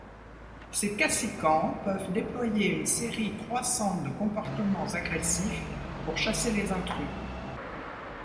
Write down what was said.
Ces cassicans peuvent déployer une série croissante de comportements agressifs pour chasser les intrus.